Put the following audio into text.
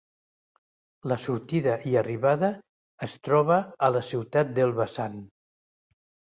La sortida i arribada es troba a la ciutat d'Elbasan.